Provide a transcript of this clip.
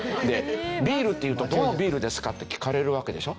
「ビール」って言うと「どのビールですか？」って聞かれるわけでしょ？